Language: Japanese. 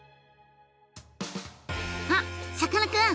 あっさかなクン！